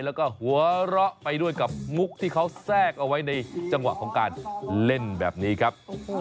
แล้วก็หัวเราะไปด้วยกับมุกที่เขาแทรกเอาไว้ในจังหวะของการเล่นแบบนี้ครับ